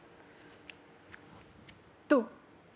どう？